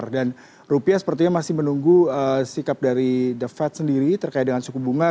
dan rupiah sepertinya masih menunggu sikap dari the fed sendiri terkait dengan suku bunga